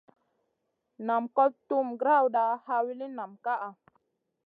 Nam kot tuhm grawda, ha wilin nam ka.